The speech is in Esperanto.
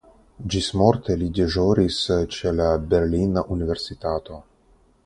Ĝismorte li deĵoris ĉe la berlina universitato.